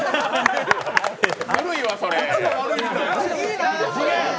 ぬるいわ、それ。